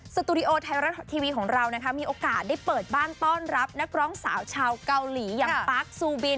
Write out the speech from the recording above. สตูดิโอไทยรัฐทีวีของเรานะคะมีโอกาสได้เปิดบ้านต้อนรับนักร้องสาวชาวเกาหลีอย่างปาร์คซูบิน